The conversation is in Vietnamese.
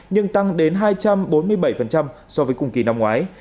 nhưng tăng đến hai trăm bốn mươi bảy so với cùng kỳ năm ngoái